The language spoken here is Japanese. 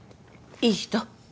いい人？